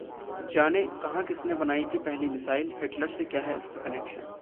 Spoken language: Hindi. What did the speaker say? जानें, कहां-किसने बनाई थी पहली मिसाइल, हिटलर से क्या है इसका कनेक्शन?